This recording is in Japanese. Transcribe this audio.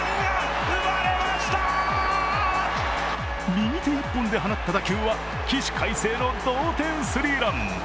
右手１本で放った打球は、起死回生の同点スリーラン。